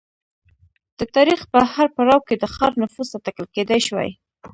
د تاریخ په هر پړاو کې د ښار نفوس اټکل کېدای شوای